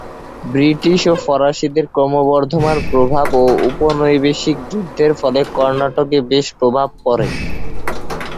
British ও ফরাসিদের ক্রমবর্ধমান প্রভাব ও ঔপনিবেশিক যুদ্ধের ফলে কর্ণাটকে বেশ প্রভাব পড়ে।